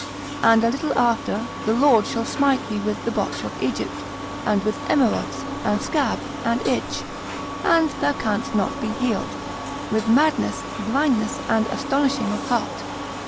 And a little after, The Lord shall smite thee with the botch of Egypt, and with emerods, and scab, and itch, and thou canst not be healed; with madness, blindness, and astonishing of heart.